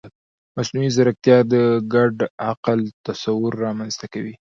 مصنوعي ځیرکتیا د ګډ عقل تصور رامنځته کوي.